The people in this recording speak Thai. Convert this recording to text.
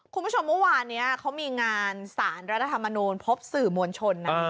คุณผู้ชมเมื่อวานนี้เขามีงานสารรัฐธรรมนูลพบสื่อมวลชนนะ